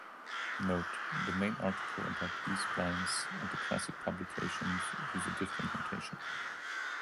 Note: the main article about B-splines and the classic publications use a different notation.